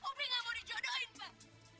upi gak mau dijodohin pak